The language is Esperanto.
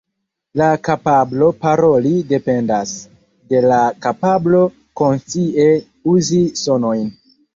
La kapablo paroli dependas de la kapablo konscie uzi sonojn.